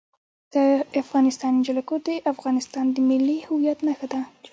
د افغانستان جلکو د افغانستان د ملي هویت نښه ده.